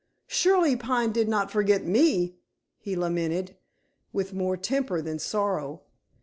"Surely Pine did not forget me?" he lamented, with more temper than sorrow.